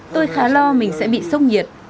tôi khá lo mình sẽ bị sốc nhiệt